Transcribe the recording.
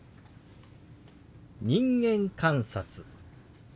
「人間観察」。